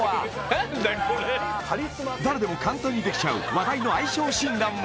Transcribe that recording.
何だこれ誰でも簡単にできちゃう話題の相性診断も